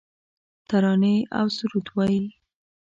ترانې اوسرود وایې